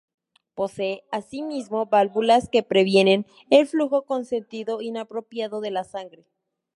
Posee asimismo válvulas que previenen el flujo con sentido inapropiado de la sangre.